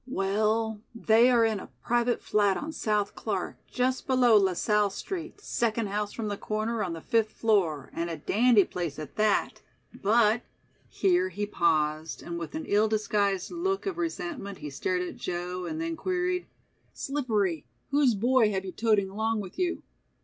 Well they are in a private flat on South Clark, just below LaSalle Street, second house from the corner, on the fifth floor, and a dandy place at that, but," here he paused and with an ill disguised look of resentment he stared at Joe and then queried: "Slippery, whose boy have you toting along with you?"